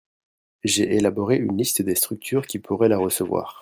j'ai élaboré une liste des structures qui pourrait la recevoir.